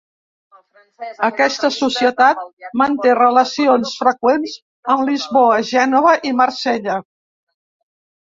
Aquesta societat manté relacions freqüents amb Lisboa, Gènova i Marsella.